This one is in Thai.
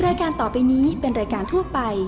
รายการต่อไปนี้เป็นรายการทั่วไป